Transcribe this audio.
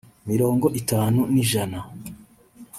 mirongo itanu n’ijana